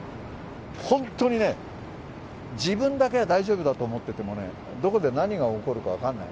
本当にね、自分だけが大丈夫だと思っててもね、どこで何が起こるか分かんない。